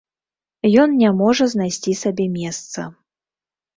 Ён не можа знайсцi сабе месца...